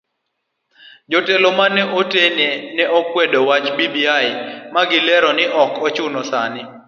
Jotelo mane otene ne okwedo wach bbi magilero ni ok ochuno sani.